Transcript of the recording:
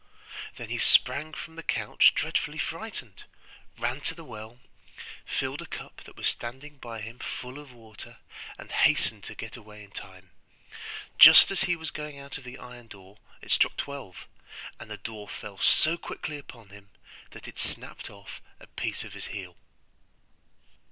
Then he sprang from the couch dreadfully frightened, ran to the well, filled a cup that was standing by him full of water, and hastened to get away in time. Just as he was going out of the iron door it struck twelve, and the door fell so quickly upon him that it snapped off a piece of his heel.